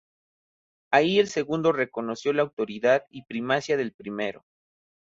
Ahí el segundo reconoció la autoridad y primacía del primero.